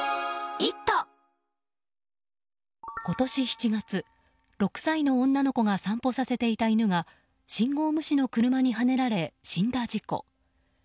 今年７月、６歳の女の子が散歩させていた犬が信号無視の車にはねられ死んだ事故。